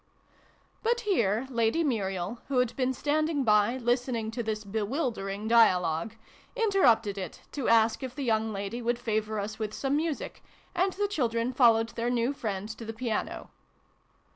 But here Lady Muriel, who had been stand ing by, listening to this bewildering dialogue, interrupted it to ask if the young lady would favour us with some music ; and the children followed their new friend to the piano.